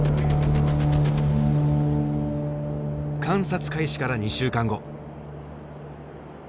観察開始から２週間後。